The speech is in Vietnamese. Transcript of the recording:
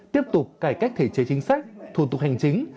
tiếp tục cải cách thể chế chính sách thủ tục hành chính